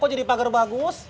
kok jadi pagar bagus